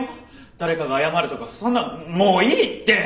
誰かが謝るとかそんなのもういいって！